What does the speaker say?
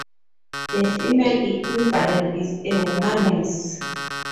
The female equivalent is a womance.